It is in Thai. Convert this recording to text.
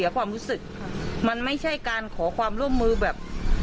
คุณผู้ชมครับ